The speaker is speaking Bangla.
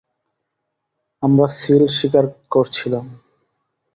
আমরা সিল শিকার করছিলাম।